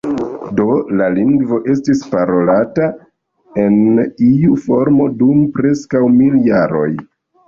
Do la lingvo estis parolata en iu formo dum preskaŭ mil jaroj.